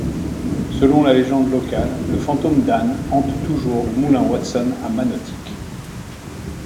Selon la légende locale, le fantôme d’Ann hante toujours le Moulin Watson à Manotick.